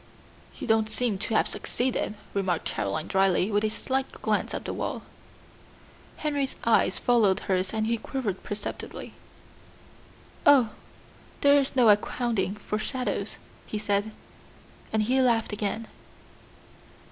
"You don't seem to have succeeded," remarked Caroline dryly, with a slight glance at the wall. Henry's eyes followed hers and he quivered perceptibly. "Oh, there is no accounting for shadows," he said, and he laughed again.